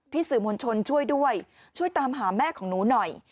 สื่อมวลชนช่วยด้วยช่วยตามหาแม่ของหนูหน่อย